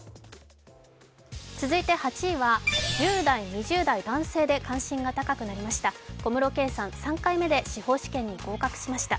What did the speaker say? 続いて８位は１０代、２０代男性で関心が高くなりました。